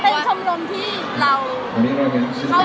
เป็นชมรมที่เราพร้อมกันค่ะ